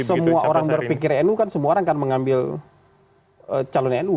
jadi kalau semua orang berpikir nu kan semua orang akan mengambil calonnya nu